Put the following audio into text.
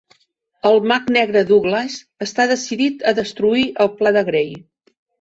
El mag negre Douglas està decidit a destruir el pla de Grey.